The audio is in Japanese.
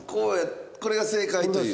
これが正解という。